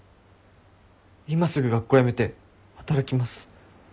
今すぐ学校辞めて働きます。